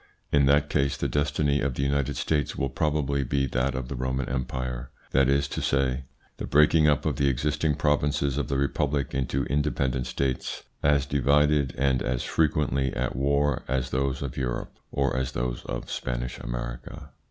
In that case the destiny of the United States will probably be that of the Roman Empire that is to say, the breaking up of the existing provinces of the republic into independent states, as divided and as frequently at war as those of Europe or as those of Spanish America.